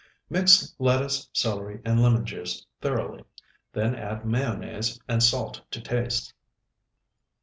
Mix lettuce, celery, and lemon juice thoroughly, then add mayonnaise and salt to taste.